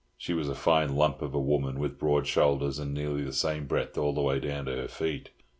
She was a fine "lump" of a woman, with broad shoulders, and nearly the same breadth all the way down to her feet.